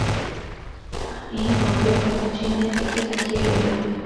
আমি গভীর ক্ষতচিহ্নের দিকে তাকিয়ে রইলাম।